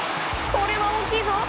これは大きいぞ！